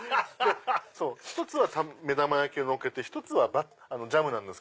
１つは目玉焼きをのっけて１つはジャムなんです。